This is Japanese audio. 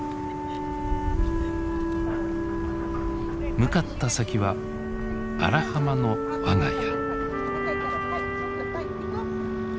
向かった先は荒浜の我が家。